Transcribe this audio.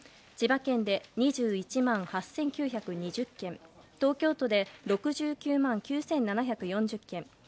千葉県で２１万８９２０軒東京都で６９万９７４０軒